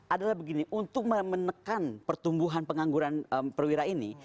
adalah begini untuk menekan pertumbuhan pengangguran perwira ini